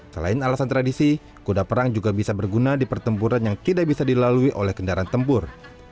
selain alasan tradisi kuda perang juga bisa berguna di pertempuran yang tidak bisa dilalui oleh kendaraan tempur